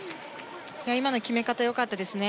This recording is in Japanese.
今の決め方よかったですね。